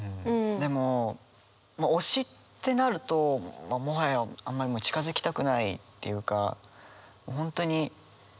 でも推しってなるともはやあんまり近づきたくないっていうか。